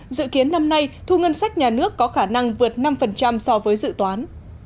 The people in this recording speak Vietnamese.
dự kiến năm nay thu ngân sách nhà nước có khả năng vượt năm so với dự toán